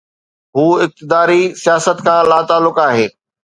هو اقتداري سياست کان لاتعلق آهي.